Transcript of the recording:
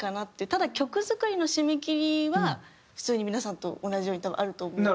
ただ曲作りの締め切りは普通に皆さんと同じように多分あると思うので。